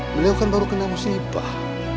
beliau kan baru kena musibah